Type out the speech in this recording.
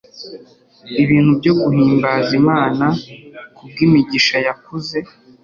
ibintu byo guhimbaza imana kubw, imigisha yakuze